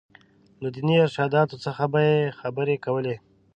له ديني ارشاداتو څخه به یې خبرې کولې.